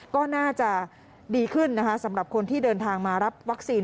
ก็น่าจะดีขึ้นนะคะสำหรับคนที่เดินทางมารับวัคซีน